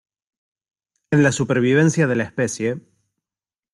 en la supervivencia de la especie